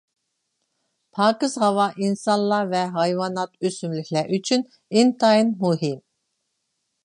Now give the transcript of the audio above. پاكىز ھاۋا ئىنسانلار ۋە ھايۋانات، ئۆسۈملۈكلەر ئۈچۈن ئىنتايىن مۇھىم.